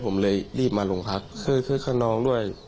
ผมเลยรีบมาลงพักเคลื่อนเคลื่อนค้าน้องด้วย